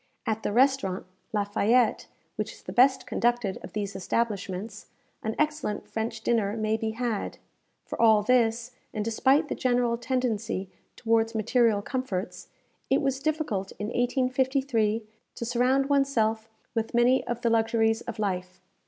At the restaurant La Fayette, which is the best conducted of these establishments, an excellent French dinner may be had. For all this, and despite the general tendency towards material comforts, it was difficult in 1853 to surround one's self with many of the luxuries of life.